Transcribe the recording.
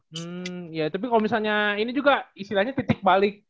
hmm ya tapi kalau misalnya ini juga istilahnya titik balik